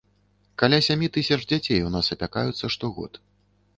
Каля сямі тысяч дзяцей у нас апякаюцца штогод.